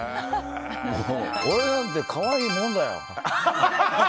俺なんて可愛いもんだよ！